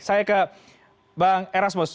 saya ke bang erasmus